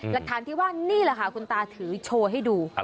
หลักฐานที่ว่านี่แหละค่ะคุณตาถือโชว์ให้ดู